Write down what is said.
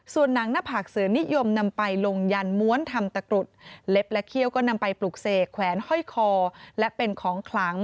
ส่วนหนังหน้าผากเสือนิยมนำไปลงยันม้วนทำตะกรุดเล็บและเขี้ยวก็นำไปปลูกเสกแขวนห้อยคอและเป็นของขลัง